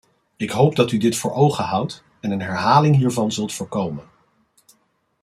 Ik hoop dat u dit voor ogen houdt en een herhaling hiervan zult voorkomen.